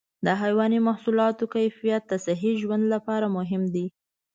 د حيواني محصولاتو کیفیت د صحي ژوند لپاره مهم دی.